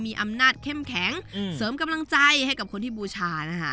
มีอำนาจเข้มแข็งเสริมกำลังใจให้กับคนที่บูชานะคะ